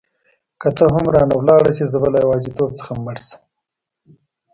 که ته هم رانه ولاړه شې زه به له یوازیتوب څخه مړ شم.